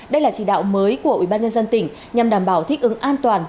đây là chỉ đạo mới của ubnd tỉnh nhằm đảm bảo thích ứng an toàn